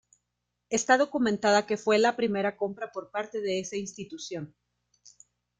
Está documentada que fue la primera compra por parte de esa institución.